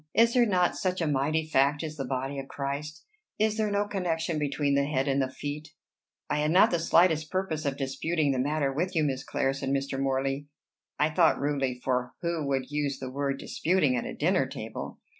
Is there not such a mighty fact as the body of Christ? Is there no connection between the head and the feet?" "I had not the slightest purpose of disputing the matter with you, Miss Clare," said Mr. Morley I thought rudely, for who would use the word disputing at a dinner table?